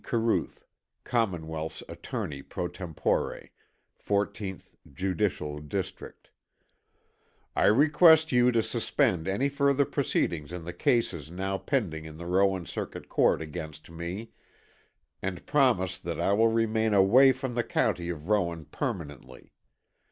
Caruth, Commonwealth's Attorney pro tempore, 14th Judicial District: I request you to suspend any further proceedings in the cases now pending in the Rowan Circuit Court against me, and promise that I will remain away from the county of Rowan permanently.